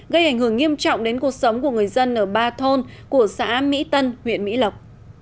gây ảnh hưởng nghiêm trọng đến cuộc sống của người dân ở ba thôn của xã mỹ tân huyện mỹ lộc